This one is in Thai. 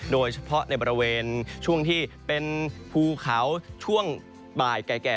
โดยเฉพาะในบริเวณช่วงที่เป็นภูเขาช่วงบ่ายแก่